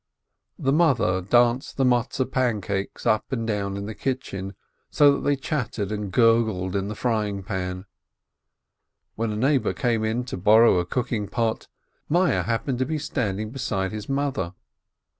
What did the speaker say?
The mother danced the Matzeh pancakes up and down in the kitchen, so that they chattered and gurgled in the frying pan. When a neighbor came in to borrow a cook ing pot, Meyerl happened to be standing beside his mother.